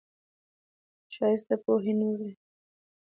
ښایست د پوهې نور دی